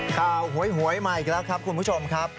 หวยมาอีกแล้วครับคุณผู้ชมครับ